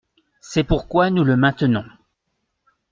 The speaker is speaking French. C’est pourquoi nous le maintenons.